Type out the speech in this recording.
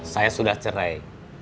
saya sudah cerai